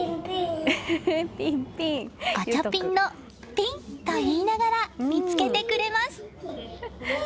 ガチャピンのピンと言いながら見つけてくれます。